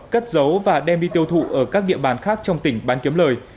cất giấu và đem đi tiêu thụ ở các địa bàn khác trong tỉnh bán kiếm lời